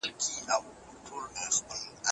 که ربړ وي نو غلطي نه پاتیږي.